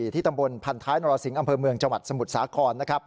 ที่ตำบลพันธ้ายนสิงห์อเมืองจสมุทรสาคอน